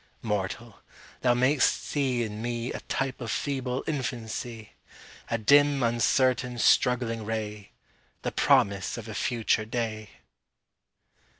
Mortal! thou mayst see in me A type of feeble infancy, A dim, uncertain, struggling ray, The promise of a future day!